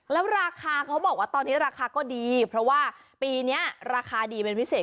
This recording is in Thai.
แล้วราคาเขาบอกว่าตอนนี้ราคาก็ดีเพราะว่าปีนี้ราคาดีเป็นพิเศษ